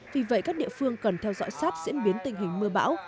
vì vậy các địa phương cần theo dõi sát diễn biến tình hình mưa bão